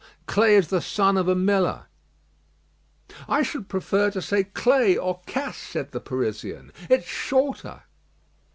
Clay is the son of a miller." "I should prefer to say 'Clay' or 'Cass,'" said the Parisian. "It's shorter."